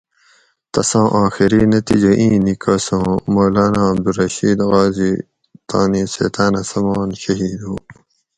تساں آخری نتیجہ اِیں نیکس اُوں مولانا عبدالرشید غازی تانی سیتاۤنہ سمان شھید ہُو